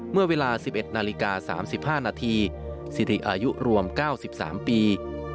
เมื่อเวลา๑๑นาฬิกา๓๕นาทีสิริอายุรวม๙๓ปี